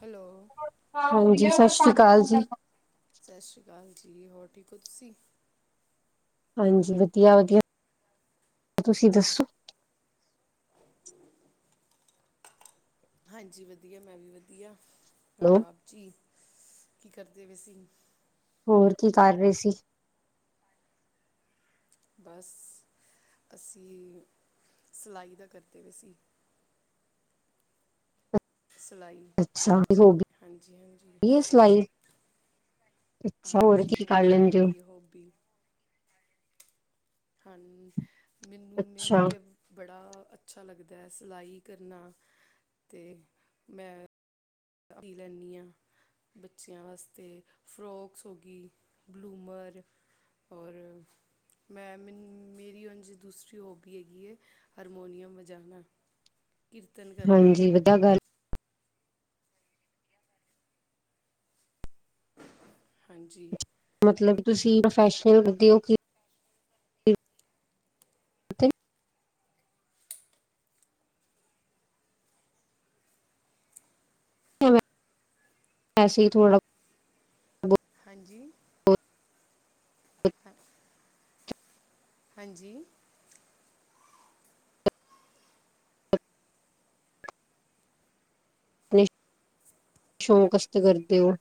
Hello. ਹਾਂਜੀ ਸਤਿ ਸ੍ਰੀ ਅਕਾਲ ਜੀ। ਸਤਿ ਸ਼੍ਰੀ ਅਕਾਲ ਜੀ ਹੋਰ ਠੀਕ ਹੋ ਤੁਸੀਂ। ਹਾਂਜੀ ਵਧੀਆ ਵਧੀਆ ਤੁਸੀਂ ਦੱਸੋ ਹਾਂਜੀ ਵਧੀਆ ਮੈਂ ਵੀ ਵਧੀਆ ਹੈਲੋ ਔਰ ਆਪ ਜੀ ਕੀ ਕਰਦੇ ਪੇਹ ਸੀਂ। ਹੋਰ ਕੀ ਕਰ ਰਹੇ ਸੀ। ਬਸ ਅਸੀਂ ਸਿਲਾਈ ਦਾ ਕਰਦੇ ਵੀਏ ਸੀ। ਸਲਾਈ। ਅੱਛਾ ਹੋ ਸਲਾਈ। ਹਾਂਜੀ ਕੀ ਕਰ ਹਾਂਜੀ ਲੈਂਦੇ ਹੋ ਹੈਗੀ ਹੈ ਹੋਬੀ। ਹਾਂ ਮੈਨੂੰ ਮੈਨੂੰ ਅੱਛਾ ਤੇ। ਬੜਾ ਅੱਛਾ ਲੱਗਦਾ ਹੈ ਸਿਲਾਈ ਕਰਨਾ ਤੇ ਮੈਂ। ਰੀ ਲੈਂਨੀ ਹਾਂ। ਬੱਚਿਆਂ ਵਾਸਤੇ ਫਰਾੋਕਸ ਹੋ ਗਈ ਬਲੂਮਰ। ਔਰ ਮੈਂ ਮੇਰੀ ਉਂਜ ਦੂਸਰੀ ਹੋਬੀ ਹੈਗੀ ਹੈ। ਹਰਮੋਨੀਅਮ ਵਜਾਣਾ ਕੀਰਤਨ ਕਰਨਾ। ਹਾਂਜੀ ਗੱਲ। ਹੰਜੀ। ਮਤਲਬ ਤੁਸੀਂ ਪ੍ਰੋਫੈਸ਼ਨਲਦੇ ਹੋ ਕਿ। ੱਥ। ਵਸੇ ਹੀ ਥੋੜਾ। ਹਾਂਜੀ। ਬਹੁਤ ਹਾਂ ਹਾਂਜੀ। ਨਈ ਸ਼ੌਕ ਸ ਕਰਦੇ ਹੋ।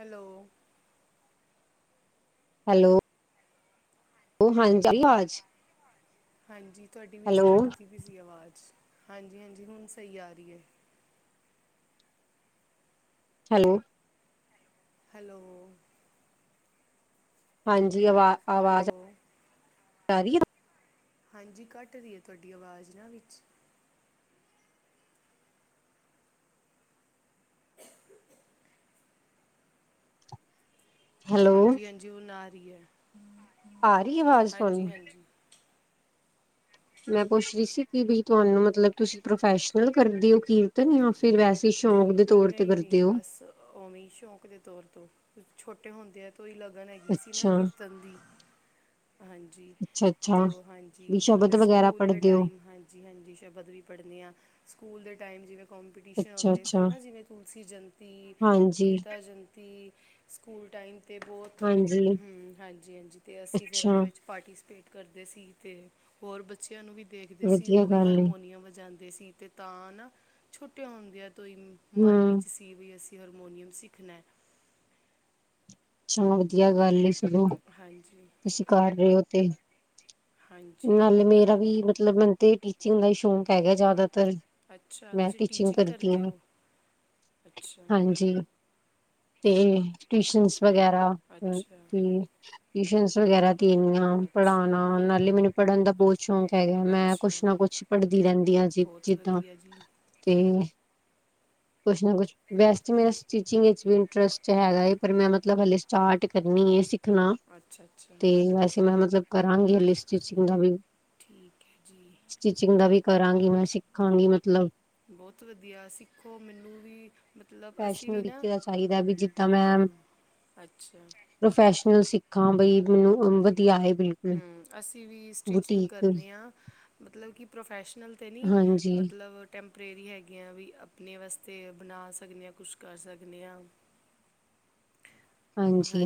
ਹੈਲੋ। ਹੈਲੋ ਚਲਾ ਆਜ। ਹਾਂਜੀ ਤੁਹਾਡੀ ਵਿੱਚ ਕੱਟਦੀ ਵੀ ਸੀ ਆਵਾਜ਼ ਹਾਂਜੀ ਹਾਂਜੀ ਹੁਣ ਸਹੀ ਆ ਰਹੀ ਹੈ। ਹੈਲੋ। ਹੈਲੋ, ਹਾਂਜੀ, ਆਵਾ ਹੈਲੋ ਆਵਾਜ਼, ਆ ਰਹੀ ਅ, ਹਾਂਜੀ, ਘੱਟ ਰਹੀ ਹੈ ਤੁਹਾਡੀ ਆਵਾਜ਼ ਨਾ ਵਿੱਚ, ਹੈਲੋ ਹਾਂਜੀ-ਹਾਂਜੀ, ਹੁਣ ਆ ਰਹੀ ਹੈ, ਆ ਰਹੀ ਆਵਾਜ਼ ਤੁਹਾਨੂੰ ਹਾਂਜੀ-ਹਾਂਜੀ। ਮੈਂ ਪੁੱਛ ਰਹੀ ਸੀ ਕਿ ਵੀ ਤੁਹਾਨੂੰ ਮਤਲਬ ਤੁਸੀਂ ਪ੍ਰੋਫੈਸ਼ਨਲ ਕਰਦੇ ਹੋ ਕੀਰਤਨ ਜਾਂ ਫਿਰ ਵੈਸੇ ਤੁਸੀਂ ਸ਼ੌਕ ਦੇ ਤੌਰ ਤੇ ਨਹੀਂ ਨਹੀਂ ਕਰਦੇ ਹੋ। ਬਸ ਉਵੇਂ ਸ਼ੌਂਕ ਦੇ ਤੌਰ ਤੋਂ ਛੋਟੇ ਹੁੰਦੇ ਆ, ਤੋਂ ਹੀ ਲਗਨ ਹੈਗੀ ਸੀ ਨਾ ਅੱਛਾ ਕੀਰਤਨ ਦੀ, ਹਾਂਜੀ। ਅੱਛਾ ਅੱਛਾ ਤੋਂ ਹਾਂਜੀ ਵੀ ਸ਼ਬਦ ਵਗੈਰਾ ਸਕੂਲ ਦੇ ਪੜ੍ਹਦੇ ਹੋ ਟਾਈਮ ਹਾਂਜੀ ਹਾਂਜੀ ਸ਼ਬਦ ਵੀ ਪੜ੍ਹਦੇ ਹਾਂ। ਸਕੂਲ ਦੇ ਟਾਈਮ ਜਿਵੇਂ ਕੰਪੀਟੀਸ਼ਨ ਅੱਛਾ ਹੁੰਦੇ ਸੀ। ਅੱਛਾ ਨਾ ਜਿਵੇਂ ਤੁਲਸੀ ਜੈਯੰਤੀ ਹਾਂਜੀ ਗੀਤਾ ਜੈਯੰਤੀ ਸਕੂਲ ਟਾਈਮ ਤੇ ਬਹੁਤ ਹਾਂਜੀ ਹੂੰ, ਹਾਂਜੀ-ਹਾਂਜੀ, ਤੇ ਅਸੀਂ ਫਿਰ ਉਹਦੇ ਅੱਛਾ ਵਿੱਚ ਪਾਰਟੀਸਪੇਟ ਕਰਦੇ ਸੀ ਤੇ, ਹੋਰ ਬੱਚਿਆਂ ਨੂੰ ਵੀ ਦੇਖਦੇ ਸੀ ਵਧੀਆ ਉਹ ਵੀ ਗੱਲ ਏ ਹਰਮੋਨੀਅਮ ਵਜਾਦੇ ਦੇ ਸੀ ਤੇ ਤਾਂ ਨਾ ਛੋਟੇ ਹੁੰਦਿਆ ਤੋਂ ਹੀ ਮਨ ਹਮ ਵਿੱਚ ਤੇ ਵੀ ਅਸੀਂ ਹਾਰਮੋਨੀਅਮ ਸਿੱਖਣਾ। ਚਲੋ ਵਧੀਆ ਗੱਲ ਚਲੋ, ਹਾਂਜੀ ਤੁਸੀਂ ਕਰ ਰਹੇ ਹੋ ਤੇ, ਹਾਂਜੀ ਨਾਲੇ ਮੇਰਾ ਵੀ ਮਤਲਬ ਮੈਂਨੂੰ ਤੇ ਟੀਚਿੰਗ ਦਾ ਹੀ ਸ਼ੌਂਕ ਹੈਗਾ ਜ਼ਿਆਦਾਤਰ। ਅੱਛਾ ਮੈਂ ਤੁਸੀਂ ਟੀਚਿੰਗ ਕਰਦੀ ਕਰਦੇ ਹਾਂ, ਹੋ ਅੱਛਾ ਹਾਂਜੀ। ਤੇ ਟਿਊਸ਼ਨਸ ਵਗੈਰਾ, ਅੱਛਾ ਟਿਊਸ਼ਨ ਵਗੈਰਾ ਤੇ ਇੰਨੀਆ, ਅੱਛਾ ਪੜ੍ਹਾਉਣਾ ਨਾਲੇ ਮੈਨੂੰ ਪੜ੍ਹਨ ਦਾ ਬਹੁਤ ਸ਼ੌਂਕ ਹੈਗਾ ਮੈਂ ਅੱਛਾ ਕੁਛ ਨਾ ਕੁਛ ਪੜ੍ਹਦੀ ਰਹਿੰਦੀ ਹਾਂ ਜੀ ਜਿੱਦਾ ਹਾਂਜੀ। ਤੇ, ਕੁਝ ਨਾ ਕੁਝ ਵੈਸਟਮੈਸ ਸਟੀਚਿੰਗ ਵਿੱਚ ਵੀ ਇੰਟਰਸਟ ਹੈਗਾ ਏ ਪਰ ਮੈਂ ਮਤਲਬ ਹਾਲੇ ਸਟਾਰਟ ਕਰਨੀ ਹੈ। ਸਿੱਖਣਾ, ਅੱਛਾ ਅੱਛਾ ਤੇ ਵੈਸੇ ਮੈਂ ਮਤਲਬ ਕਰਾਂਗੀ ਹਲੇ ਸਟਿਚਿੰਗ ਦਾ ਵੀ। ਠੀਕ ਹੈ ਜੀ। ਸਟਿਚਿੰਗ ਦਾ ਵੀ ਕਰਾਂਗੀ ਮੈਂ ਸਿੱਖਾਂਗੀ ਮਤਲਬ, ਬਹੁਤ ਵਧੀਆ ਸਿੱਖੋ ਮੈਨੂੰ ਵੀ ਮਤਲਬ ਅਸੀਂ ਪ੍ਰੋਫੈਸ਼ਨਲ ਵੀ ਨਾ, ਤਰੀਕੇ ਦਾ ਚਾਹੀਦਾ ਵੀ ਜਿੱਦਾਂ ਮੈਂ ਹਾਂ ਅੱਛਾ। ਪ੍ਰੋਫੈਸ਼ਨਲ ਸਿੱਖਾਂ ਬਈ ਮੈਨੂੰ ਵਧੀਆ ਹੈ ਬਿਲਕੁ ਹੂੰ, ਅਸੀਂ ਵੀ ਸਟਿਚਿੰਗ ਕਰਨੇ ਹਾਂ, ਮਤਲਬ ਕਿ ਪ੍ਰੋਫੈਸ਼ਨਲ ਤੇ ਨੀ, ਹਾਂਜੀ ਮਤਲਬ ਟੈਂਪਰੇਰੀ ਹੈਗੀਆਂ ਵੀ ਆਪਣੇ ਵਾਸਤੇ ਬਣਾ ਸਕਦੇ ਹਾਂ ਕੁਛ ਕਰ ਸਕਦੇ ਹਾਂ। [inaudible] ਹਾਂਜੀ,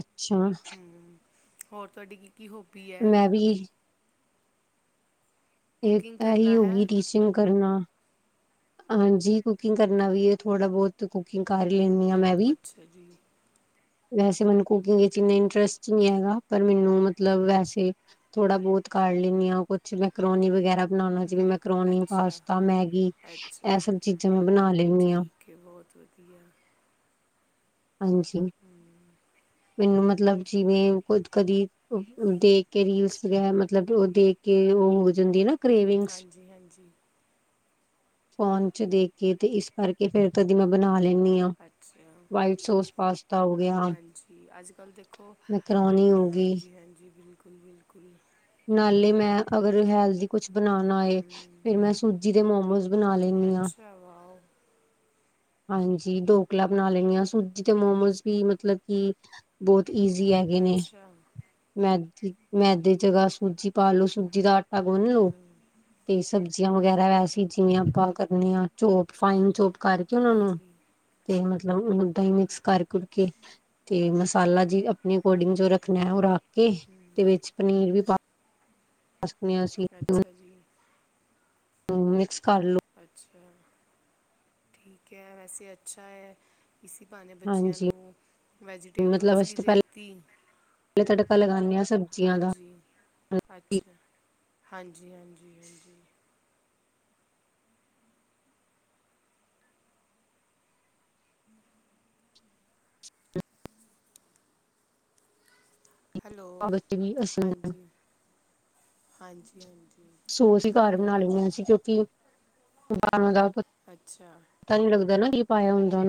ਅੱਛਾ। ਹੂੰ, ਹੋਰ ਤੁਹਾਡੀੇ ਕੀ ਕੀ ਹੋ ਮੈਂ ਵੀ, ਇਹ ਕੁਕਿੰਗ ਕਰਨਾ ਇਹੀ ਹੋ ਹੈ ਗਈ ਟੀਚਿੰਗ ਕਰਨਾ, ਹਾਂਜੀ, ਕੁਕਿੰਗ ਕਰਨਾ ਵੀ ਹੈ ਥੋੜ੍ਹਾ ਬਹੁਤ ਕੁਕਿੰਗ ਕਰ ਲੈਂਦੀ ਹਾਂ ਮੈਂ ਵੀ। ਅੱਛਾ ਜੀ ਵੈਸੇ ਮੈਨੂੰ ਕੁਕਿੰਗ ਵਿੱਚ ਇੰਨਾ ਇੰਟਰਸਟ ਨਹੀਂ ਹੈਗਾ ਪਰ ਮੈਨੂੰ ਮਤਲਬ ਵੈਸੇ, ਥੋੜਾ ਬਹੁਤ ਕਰ ਲੈਂਣੀ ਹਾਂ ਕੁਛ ਮੈਕਰੋਨੀ ਵਗੈਰਾ ਬਣਾਣਾ ਚ ਵੀ ਮੈਂਕਰੋਣੀ, ਅੱਛਾ ਪਾਸਤਾ, ਮੈਗੀ ਇਹ ਸਭ ਚੀਜ਼ਾਂ ਮੈਂ ਬਣਾ ਲੈਂਦੀ ਹਾਂ। ਕਿ ਬਹੁਤ ਵਧੀਆ। ਹਾਂਜੀ, ਮੈਨੂੰ ਮਤਲਬ ਜਿਵੇਂ ਕੁਝ ਕਦੀ ਦੇਖ ਕੇ ਰੀਲਸ ਵਗੈਰਾ ਮਤਲਬ ਉਹ ਦੇਖ ਕੇ ਉਹ ਹੋ ਜਾਂਦੀ ਨਾ। ਹੂੰ, ਕਰੇਵਿੰਗਸ ਹਾਂਜੀ-ਹਾਂਜੀ। ਫੋਨ ਚ ਦੇਖ ਕੇ ਤੇ ਇਸ ਕਰਕੇ ਫਿਰ ਕਦੀ ਮੈਂ ਬਣਾ ਲੈਂਦੀ ਹਾਂ। ਅੱਛਾ ਸੋਸ ਪਾਸਤਾ ਹੋ ਗਿਆ ਹਾਂਜੀ, ਅੱਜ ਕੱਲ੍ਹ ਦੇਖੋ, ਮੈਕਰੋਨੀ ਹੋ ਗਈ ਹਾਂਜੀ ਹਾਂਜੀ ਬਿਲਕੁਲ ਬਿਲਕੁਲ। ਨਾਲੇ ਮੈਂ ਅਗਰ ਹੈਲਦੀ ਕੁਛ ਬਣਾਣਾ ਏ ਫੇਿਰ ਮੈਂ ਸੂਜੀ ਦੇ ਮੋਮੋਸ ਬਣਾ ਲੈਂਦੀ ਹਾਂ। ਅੱਛਾ ਵਾਓ। ਹਾਂਜੀ ਡਢੋਕਲਾ ਬਣਾ ਲੈਣੀ ਆ, ਸੂਜੀ ਤੇ ਮੋਮੋਸ ਵੀ ਮਤਲਬ ਕਿ ਬਹੁਤ ਈਜ਼ੀ ਹੈਗੇ ਨੇ। ਅੱਛਾ ਮੈਦੇ ਦੀ ਜਗਾ ਸੂਜੀ ਪਾ ਲੋੋ ਸੂਜੀ ਦਾ ਆਟਾ ਗੁਨ ਲੋ ਹੂੰ ਤੇ ਸਬਜ਼ੀ ਸਬਜ਼ੀਆਂ ਵਗੈਰਾ ਵੈਸੇ ਜਿਵੇਂ ਆਪਾਂ ਕਰਨੇ ਹਾਂ ਚੋਪ ਫਾਈਨ ਚੋਪ ਕਰਕੇ ਉਹਨਾਂ ਨੂੰ ਹਾਂਜੀ ਤੇ ਮਤਲਬ ੳਦਾਂ ਹੀ ਮਿਕਸ ਕਰ ਕੁੁਰ ਕੇ ਤੇ ਮਸਾਲਾ ਜੀ ਆਪਣੇ ਅਕੋਰਡਿੰਗ ਜੋ ਰੱਖਣਾ ਹੈ ਉਹ ਰੱਖ ਕੇ ਤੇ ਵਿੱਚ ਪਨੀਰ ਵੀ ਪਾ ਅਸੀ ਦੋ ਅੱਛਾ ਜੀ। ਹਮ ਮਿਕਸ ਕਰ ਲੋ। ਅੱਛਾ ਠੀਕ ਹੈ ਵੈਸੇ ਅੱਛਾ ਹੈ। ਇਸੇ ਬਹਾਨੇ ਬੱਚਿਆਂ ਹਾਂਜੀ ਨੂੰ ਵੈਜੀਟੇਬਲਸ ਵੀ ਦੇਤੀ। ਪਲੇ ਤੜਕਾ ਲਗਾਉਂਦੇ ਹਾਂ ਸਬਜ਼ੀਆਂ ਦਾ। ਹਾਂਜੀ ਅੱਛਾ ਹਾਂਜੀ ਹਾਂਜੀ ਹਾਂਜੀ। ਹੈਲੋ, ਬੱਚੇ ਵੀ ਅਸੀਂ ਹਾਂਜੀ ਹਾਂਜੀ ਹਾਂਜੀ। ਸੋਸ ਹੀ ਘਰ ਵਧੀਆ ਬਣਾ ਗੱਲ ਲੈਂਦੇ ਹੈ ਅਸੀ ਕਿਉਂਕਿ ਬਾਹਰੋਂ ਦਾ ਅੱਛਾ ਤਾਂ ਨੀ ਲੱਗਦਾ ਨਾ ਇਹ ਪਾਇਆ ਹੁੰਦਾ।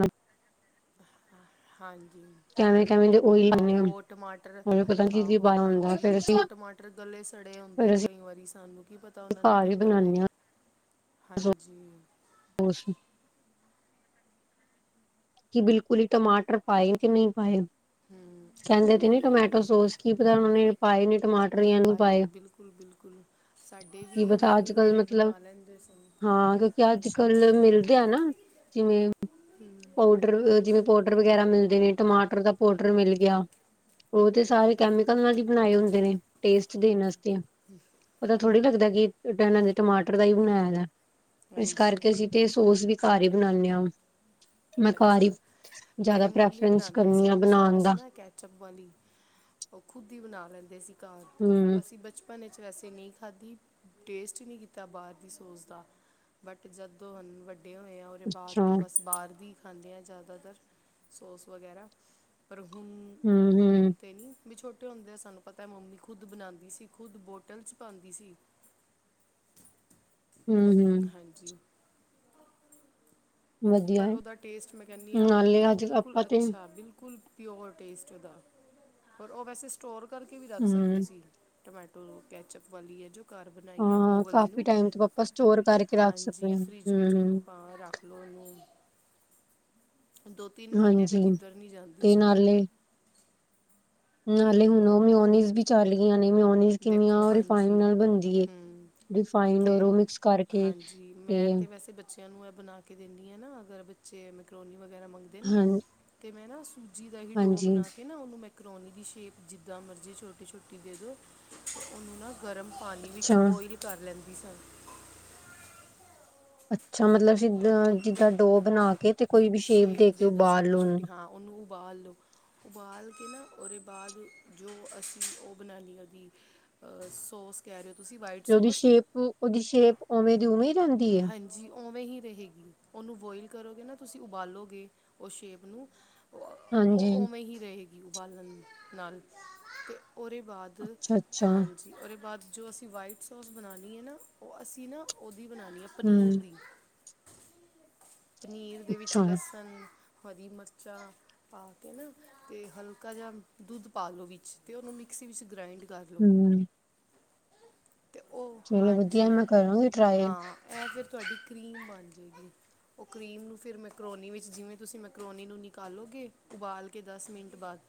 ਹਾਂਜੀ। ਕਿਵੇਂ ਕਿਵੇਂ ਦੇ ਉਹੀ ਪਾਉਂਦੇ ਆਹੋ ਟਮਾਟਰ ਹਾਂ ਪਤਾ ਕੀ ਕੀ ਆਹੋ ਪਾਇਆ ਹੁੰਦਾ ਹਾਂਜੀ ਫਿਰ ਕੁਛ ਅਸੀਂ ਉਹ ਟਮਾਟਰ! ਟਰ ਗਲੇ ਸੜੇ ਆਉਂਦੇ ਫਿਰ ਆ ਅਸੀਂ ਕਈ ਵਾਰੀ ਸਾਨੂੰ ਕੀ ਪਤਾ ਤਾਂ ਉਹਨਾਂ ਨੇ ਘਰ ਹੀ ਕਿੱਦਾਂ ਦੇ ਬਣਾਉਂਦੇ ਹਾਂ ਹਾਂਜੀ ਹੋਛ ਕਿ ਬਿਲਕੁਲ ਹੀ ਟਮਾਟਰ ਪਏਨ ਕੇ ਨਹੀਂ ਪਾਏ ਹੂੰ ਕਹਿੰਦੇ ਤੇ ਨਹੀਂ ਟਮੈਟੋ ਸੋਸ। ਕੀ ਪਤਾ ਉਹਨਾਂ ਨੇ ਪਾਏ ਨੇ। ਨਹੀਂ ਪਾਏ ਬਿਲਕੁਲ ਬਿਲਕੁਲ ਸਾਡੇ ਵੀ ਕੀ ਪਤਾ ਅੱਜ ਮੰਮੀ ਕੱਲ ਮੇਰੇ ਮਤਲਬ ਬਣਾ ਲੈਂਦੇ ਸਨ। ਹਾਂ ਕਿਉਂਕਿ ਅੱਜ ਕੱਲ ਮਿਲਦੇ ਆ ਨਾ ਜਿਵੇਂ। ਹਮ। ਪਾਊਡਰ ਜਿਵੇਂ ਪਾਊਡਰ ਵਗੈਰਾ ਮਿਲਦੇ ਨੇ ਟਮਾਟਰ ਦਾ ਪਾਊਡਰ ਮਿਲ ਗਿਆ। ਉਹ ਤੇ ਸਾਰੇ ਕੈਮੀਕਲ ਨਾਲ ਹੀ ਬਣਾਏ ਹੁੰਦੇ ਨੇ ਟੇਸਟ ਦੇਣ ਵਾਸਤੇ। ਪਤਾ ਥੋੜ੍ਹੀ ਲੱਗਦਾ ਇਹਨਾਂ ਨੇ ਟਮਾਟਰ ਦਾ ਹੀ ਬਣਾਇਆ ਜਾ ਇਸ ਹਾਂਜੀ ਕਰਕੇ ਅਸੀਂ ਤੇ ਸੋਸ ਵੀ ਘਰ ਹੀ ਬਣਾਨੇ ਹਾਂ। ਮੈਂ ਘਰ ਹੀ ਅੱਛਾ। ਜ਼ਿਆਦਾ ਮੇਰੇ ਮੰਮੀ ਪ੍ਰੈਫਰੈਂਸ ਬਣਾਉਂਦੇ ਕਰਨੀ ਆ ਸਨ ਬਣਾਉਣ ਸੋਸ ਦਾ ਨਾ ਕੇ ਚਾਪ ਵਾਲੀ ਉਹ ਖੁਦ ਹੀ ਬਣਾ ਲਹਿੰਦੇ ਸੀ। ਹਮ ਅਸੀਂ ਬਚਪਨ ਵਿੱਚ ਵੈਸੇ ਨਹੀਂ ਖਾਧੀ ਟੇਸਟ ਹੀ ਨਹੀਂ ਕੀਤਾ ਬਾਹਰ ਦੀ ਸੋਸ ਦਾ ਬਟ ਜਦੋਂ ਹਨ ਵੱਡ ਹੋਏ ਆ ਉਹਦੇ ਬਾਅਦ ਅੱਛਾ ਤੋਂ ਬਸ ਬਾਹਰ ਵੀ ਖਾਂਦੇ ਆ ਜਿਆਦਾਤਰ ਸੋਸ ਵਗੈਰਾ ਪਰ ਹੁਣ ਹਮ ਹੁਣ ਹਮ ਤੇ ਨਹੀਂ ਵੀ ਛੋਟੇ ਹੁੰਦੇ ਆ ਸਾਨੂੰ ਪਤਾ ਹੈ ਮੰਮੀ ਖੁਦ ਬਣਾਉਂਦੀ ਸੀ ਖੁਦ ਬੋਟਲ 'ਚ ਪਾਉਂਦੀ ਸੀ। ਹਮ। ਹਮ ਹਾਂਜੀ। ਵਧੀਆ ਪਰ ਹੈ ਉਹਦਾ ਟੇਸਟ ਮੈਂ ਕਹਿੰਦੀ ਹਾਂ ਨਾਲੇ ਅੱਜ ਬਿਲਕੁਲ ਆਪਾਂ ਤੇ ਅੱਛਾ ਬਿਲਕੁਲ ਪਿਓਰ ਟੇਸਟ ਉਹਦਾ ਪਰ ਉਹ ਵੈਸੇ ਸਟੋਰ ਕਰਕੇ ਵੀ ਰੱਖ ਸਕਦੇ ਹਮ ਸੀ। ਟਮੈਟੋ ਕੈਚਅਪ ਵਾਲੀ ਹੈ ਜੋ! ਘਰ ਬਣਾਈ ਹੈ ਹਾਂ ਉਹ ਵਾਲੀ ਕਾਫੀ ਨੂੰ ਟਾਈਮ ਤੋਂ ਆਪਾਂ ਸਟੋਰ ਕਰਕੇ ਰੱਖ ਸਕਦੇ ਹਾਂਜੀ ਹਾਂ ਫਰਿੱਜ ਵਿੱਚ ਹਮ ਉਹਨੂੰ ਭਾ ਰੱਖ। ਲੋ ਦੋ ਤਿੰਨ ਮਹੀਨੇ ਤੇ ਹਾਂਜੀ ਕਿੱਧਰ ਨੀ ਜਾਂਦੀ ਤੇ ਸੀ। ਨਾਲੇ ਨਾਲੇ ਹੁਣ ਉਹ ਮਿਓਨੀਜ਼ ਵੀ ਚੱਲ ਗਈ ਨੇ ਮਿਓਨੀਜ਼ ਕਿੰਨੀਆਂ ਦੇਖੋ ਰਿਫਾਈਡ ਹਾਂਜੀ ਨਾਲ ਬਣਦੀ ਏ। ਹੂੰ ਰਿਫਾਈਡ ਔਰ ਅਤੇ ਓਹ ਮਿਕਸ ਕਰਕੇ ਹਾਂਜੀ ਤੇ ਮੈਂ ਤਾਂ ਵੈਸੇ ਬੱਚਿਆਂ ਨੂੰ ਇਹ ਬਣਾ ਕੇ ਦਿੰਦੀ ਹਾਂ ਨਾ ਅਗਰ ਬੱਚੇ ਮੈਕਰੋਨੀ ਵਗੈਰਾ ਮੰਗਦੇ ਨੇ ਹਾਂ ਅਤੇ ਮੈਂ ਨਾ ਸੂਜੀ ਦਾ ਹੀ ਡੋਅ ਹਾਂਜੀ ਬਣਾ ਕੇ ਨਾ ਉਹਨੂੰ ਮੈਕਰੋਨੀ ਦੀ ਸ਼ੇਪ ਜਿੱਦਾਂ ਮਰਜ਼ੀ ਛੋਟੀ- ਛੋਟੀ ਦੇ ਦਿਉ। ਉਹਨੂੰ ਨਾ ਗਰਮ ਪਾਣੀ ਅੱਛਾ ਵਿੱਚ ਬੋਇਲ ਕਰ ਲੈਂਦੀ ਸਾਂ ਅੱਛਾ ਮਤਲਬ ਮੈਂ ਜਿੱਦਾਂ ਡੋ ਬਣਾ ਕੇ ਤੇ ਕੋਈ ਵੀ ਸ਼ੇਪ ਦੇ ਕੇ ਦਿਓ ਉਬਾਲ ਛੋਟੀ ਲੋ ਓਹਨੂੰ ਛੋਟੀ ਹਾਂ ਉਹਨੂੰ ਉਬਾਲ ਲਓ ਉਬਾਲ ਕੇ ਨਾ ਉਹਦੇ ਬਾਅਦ ਜੋ ਅਸੀਂ ਉਹ ਬਣਾਉਣੀ ਉਹਦੀ ਅ ਸੋਸ ਕਹਿ ਰਹੇ ਤੁਸੀਂ। ਵਾਈਟ ਤੇ ਉਹਦੀ ਸੌਸ ਸ਼ੇਪ ਉਹਦੀ ਸ਼ੇਪ ਉਵੇਂ ਦੀ ਉਵੇਂ ਹੀ ਰਹਿੰਦੀ। ਹੈ ਜੀ ਉਵੇਂ ਹੀ ਰਹੇਗੀ, ਉਹਨੂੰ ਬੋਇਲ ਕਰੋਗੇ ਨਾ ਤੁਸੀਂ ਉਬਾਲੋਗੇ ਉਹ ਸ਼ੇਪ ਨੂੰ ਉਹ ਹਾਂਜੀ ਉਵੇਂ ਹੀ ਰਹੇਗੀ ਉਬਾਲਣ ਨਾਲ, ਤੇ ਉਹਦੇ ਬਾਅਦ! ਤ ਅੱਛਾ ਅੱਛਾ ਹਾਂਜੀ ਜੀ ਉਹਦੇ ਬਾਅਦ ਜੋ ਅਸੀਂ ਵਾਈਟ ਸੋਸ ਬਣਾਉਣੀ ਹੈ ਨਾ ਉਹ ਅਸੀਂ ਨਾ ਉਹਦੀ ਬਣਾਉਣੀ ਹੈ ਹਮ ਪਨੀਰ ਦੀ ਪਨੀਰ ਦੇ ਵਿੱਚ ਅੱਛਾ ਲਸਣ, ਹਰੀ ਮਿਰਚਾਂ, ਪਾ ਕੇ ਨਾ, ਤੇ ਹਲਕਾ ਜਿਹਾ ਦੁੱਧ ਪਾ ਲਓ ਵਿੱਚ, ਤੇ ਉਹਨੂੰ ਮਿਕਸੀ ਵਿੱਚ ਗ੍ਰਾਇੰਡ ਕਰ ਹਮ। ਤੇ ਉਹ ਚਲੋ ਵਧੀਆ ਹਾਂਜੀ, ਮੈਂ ਕਰਾਂਗੀ ਟਰਾਈ ਹਾਂ ਇਹ ਫਿਰ ਤੁਹਾਡੀ ਕਰੀਮ ਬਣ ਜਾਵੇਗੀ। ਉਹ ਕਰੀਮ ਨੂੰ ਫਿਰ ਮੈਕਰੋਨੀ ਵਿੱਚ ਜਿਵੇਂ ਤੁਸੀਂ ਮੈਕਰੋਨੀ ਨੂੰ ਨਿਕਾਲੋਗੇ ਉਬਾਲ ਕੇ ਦਸ ਮਿੰਟ ਬਾਅਦ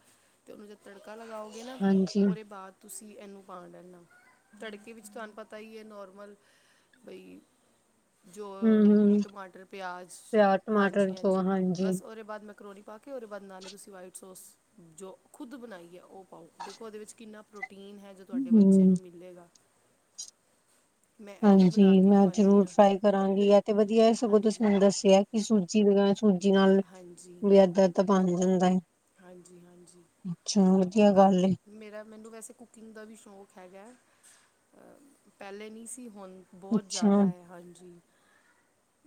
ਤੇ ਉਹਨੂੰ ਜਦ ਤੜਕਾ ਲਗਾਓਗੇ ਨਾ, ਹਾਂਜੀ ਉਹਦੇ ਬਾਅਦ ਤੁਸੀਂ ਇਹਨੂੰ ਪਾ ਲੈਂਣਾ, ਤੜਕੇ ਵਿੱਚ ਤੁਹਾਨੂੰ ਪਤਾ ਹੀ ਹੈ ਨੋਰਮਲ ਬਈ, ਜੋ ਹਮ ਹਮ ਟਮਾਟਰ! ਪਿਆਜ਼ ਪਿਆਜ ਟਮਾਟਰ ਹਾਂਜੀ, ਤੋਂ ਹਾਂਜੀ ਬਸ ਉਹਦੇ ਬਾਅਦ ਮੈਂ ਕਰੋਨੀ ਪਾ ਕੇ ਉਹਦੇ ਬਾਅਦ ਨਾਲ ਹੀ ਤੁਸੀਂ ਵਾਈਟ ਸੋਸ ਜੋ ਖੁਦ ਬਣਾਈ ਏ ਉ ਪਾਓ ਦੇਖੋ ਉਹਦੇ ਵਿੱਚ ਕਿੰਨਾ ਪ੍ਰੋਟੀਨ ਹੈ ਜੋ ਤੁਹਾਡੇ ਬੱਚੇ ਹਮ ਨੂੰ ਮਿਲੇਗਾ ਮੈਂ ਇਹੀ ਹਾਂਜੀ ਬਣਾ ਕੇ ਮੈਂ ਖਵਾਉਂਦੀ ਜ਼ਰੂਰ ਹਾਂ ਟਰਾਈ ਕਰਾਂਗੀ ਏ ਤੇ ਵਧੀਆ ਇਹ ਸਗੋਂ ਤੁਸੀਂ ਹਾਂਜੀ ਮੈਨੂੰ ਦੱਸਿਆ ਕਿ ਸੂਜੀ ਲਗਾ ਸੂਜੀ ਨਾਲ, ਹਾਂਜੀ ਵੀ ਐਦਾ- ਐਦਾ ਬਣ ਜਾਂਦਾ ਏ ਹਾਂਜੀ ਹਾਂਜੀ ਚਲੋ ਵਧੀਆ ਗੱਲ ਏ ਮੇਰਾ ਮੈਨੂੰ ਵੈਸੇ ਕੁਕਿੰਗ ਦਾ ਵੀ ਸ਼ੌਕ ਹੈਗਾ, ਪਹਿਲੇ ਨਹੀ ਸੀ ਹੁਣ ਬਹੁਤ ਅੱਛਾ ਜ਼ਿਆਦਾ ਹੈ ਹਾਂਜੀ,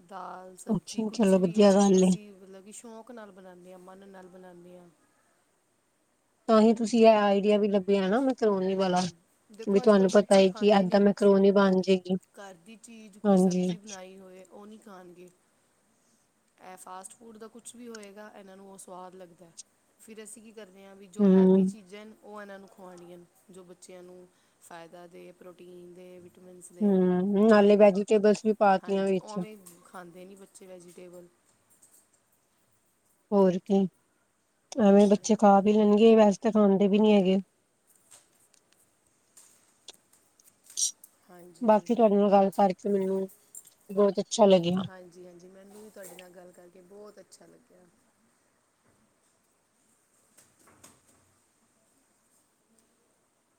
ਦਾਲ ਸਬਜ਼ੀ ਅੱਛਾ ਕੁਛ ਚਲੋ ਵੀ ਵਧੀਆ ਏ ਵੀ ਗੱਲ ਅਸੀਂ ਮਤਲਬ ਕਿ ਸ਼ੌਂਕ ਨਾਲ ਬਣਾਉਦੇ ਹਾਂ ਮਨ ਨਾਲ ਬਣਾਉਦੇ ਆ ਤਾਂ ਹੀ ਤੁਸੀਂ ਏ ਆਈਡੀਆ ਵੀ ਲੱ ਵੀ ਏ ਨਾ ਮੈਂਕਰੋਨੀ ਵਾਲਾ, ਹੂੰ ਕਿ ਵੀ ਦੇਖੋ ਅੱਜ ਕੱਲ੍ਹ ਤੁਹਾਨੂੰ ਪਤਾ ਬੱਚੇ ਹੈ ਕਿ ਖਾਂਦੇ ਨਹੀਂ ਏਦਾਂ ਮੈਂ ਕੁਛ ਮੈਂਕਰੋਨੀ ਬਣ ਜਾਏਗੀ। ਘਰ ਦੀ ਚੀਜ਼ ਕੋਈ ਹਾਂਜੀ ਸਬਜ਼ੀ ਬਣਾਈ ਹੋਏ ਉਹ ਨਹੀਂ ਖਾਣਗੇ। ਇਹ ਫਾਸਟ ਫੂਡ ਦਾ ਕੁਛ ਵੀ ਹੋਏਗਾ ਇਹਨਾਂ ਨੂੰ ਉਹ ਸਵਾਦ ਲੱਗਦਾ! ਫਿਰ ਅਸੀਂ ਕੀ ਕਰਦੇ ਹਾਂ ਵੀ ਜੋ ਹੈਲਦੀ ਹਮ ਚੀਜ਼ਾਂ ਨੇ, ਉਹ ਇਹਨਾਂ ਨੂੰ ਖਵਾਉਣੀ ਆ, ਜੋ ਬੱਚਿਆਂ ਨੂੰ ਫਾਇਦਾ ਦੇ, ਪ੍ਰੋਟੀਨ ਦੇ ਵਿਟੇਮੈਂਟਸ ਦੇ ਹਮ ਜੋ ਨਾਲੇ ਵੀ ਹੈ, ਵੈਜੀਟੇਬਲਸ ਵੀ ਪਾਤੀਆਂ ਹਾਂਜੀ ਵਿੱਚ ਉਵੇਂ ਖਾਂਦੇ ਨਹੀਂ ਬੱਚੇ ਵੈਜੀਟੇਬਲ! ਹੋਰ ਕੀ, ਐਵੇਂ ਹਾਂ ਬੱਚੇ ਖਾ ਵੀ ਲੈਣਗੇ! ਵੈਸੇ ਤਾਂ ਖਾਂਦੇ ਵੀ ਨਹੀਂ ਹੈਗੇ। ਹਾਂਜੀ ਬਾਕੀ ਤੁਹਾਡੇ ਨਾਲ ਗੱਲ ਕਰਕੇ ਮੈਨੂੰ, ਬਹੁਤ ਅੱਛਾ ਲੱਗਿਆ। ਹਾਂਜੀ, ਹਾਂਜੀ ਮੈਨੂੰ ਵੀ ਤੁਹਾਡੇ ਨਾਲ ਗੱਲ ਕਰਕੇ ਬਹੁਤ ਅੱਛਾ ਲੱਗਿਆ।